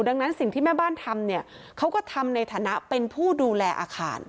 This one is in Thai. ดังนั้นสิ่งที่แม่บ้านทำเนี่ยเขาก็ทำในฐานะเป็นผู้ดูแลอาคาร